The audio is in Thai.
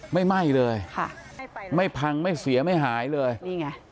ไหม้เลยค่ะไม่พังไม่เสียไม่หายเลยนี่ไง